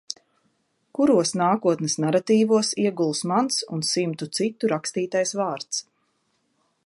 Kuros nākotnes naratīvos ieguls mans un simtu citu rakstītais vārds.